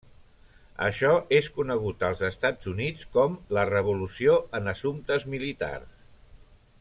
Això és conegut als Estats Units com la Revolució en Assumptes Militars.